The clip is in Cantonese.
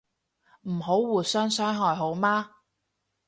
唔好互相傷害好嗎